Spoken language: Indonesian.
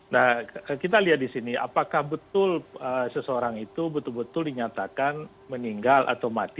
nah kita lihat di sini apakah betul seseorang itu betul betul dinyatakan meninggal atau mati